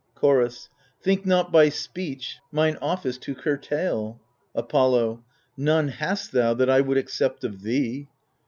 Chorus Think not by speech mine office to curtail. Apollo None hast thou, that I would accept of thee